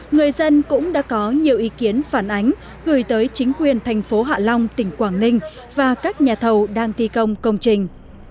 người dân cũng đã có nhiều ý kiến phản ánh gửi tới chính quyền thành phố hạ long tỉnh quảng ninh và các nhà thầu đang thi công công trình